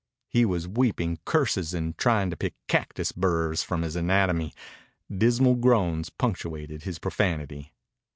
He was weeping curses and trying to pick cactus burrs from his anatomy. Dismal groans punctuated his profanity.